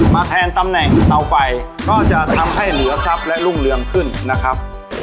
แทนตำแหน่งเตาไฟก็จะทำให้เหลือทรัพย์และรุ่งเรืองขึ้นนะครับ